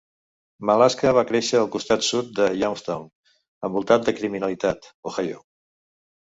Malaska va créixer en el costat sud de Youngstown envoltat de criminalitat, Ohio.